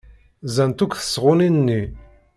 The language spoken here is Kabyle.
Nzant akk tesɣunin-nni.